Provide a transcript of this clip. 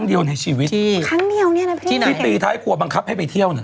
เนี่ยคุณผู้ชมมาคิดว่าพี่ไปเที่ยวกันหมด